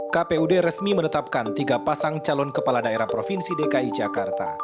kpud resmi menetapkan tiga pasang calon kepala daerah provinsi dki jakarta